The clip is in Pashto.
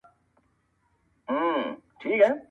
داسی مات سوی یم چی بیادرغیدوپه هیله